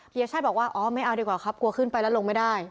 เบียช่าบอกว่าไม่เอาดีกว่าครับกลัวขึ้นไปละลงไม่ได้